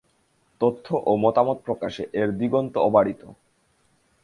তথ্য ও মতামত প্রকাশে এর দিগন্ত অবারিত।